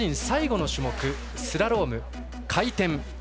最後の種目スラローム、回転。